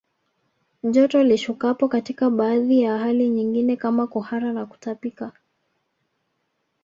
Joto lishukapo katika baadhi ya hali nyingine kama kuhara na kutapika